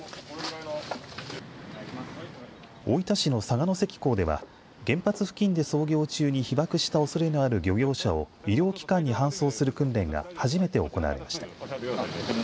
大分市の佐賀関港では原発付近で操業中に被爆したおそれのある漁業者を医療機関に搬送する訓練が初めて行われました。